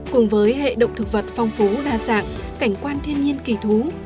cùng với hệ động thực vật phong phú đa dạng cảnh quan thiên nhiên kỳ thú